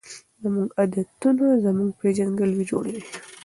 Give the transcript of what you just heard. زموږ عادتونه زموږ پیژندګلوي جوړوي.